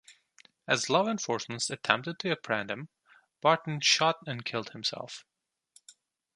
As law enforcement attempted to apprehend him, Barton shot and killed himself.